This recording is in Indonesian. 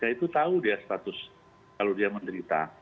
itu tahu dia status kalau dia menderita